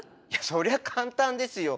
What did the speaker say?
そりゃ簡単ですよ。